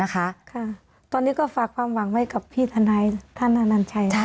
ตอนนี้ก็ฝากความหวังไว้กับพี่ทนายท่านอนัญชัย